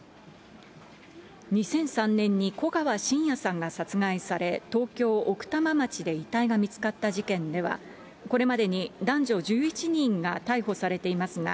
２００３年に古川信也さんが殺害され、東京・奥多摩町で遺体が見つかった事件では、これまでに男女１１人が逮捕されていますが、